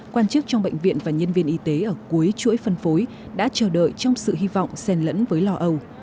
quan chức trong bệnh viện và nhân viên y tế ở cuối chuỗi phân phối đã chờ đợi trong sự hy vọng sen lẫn với lò âu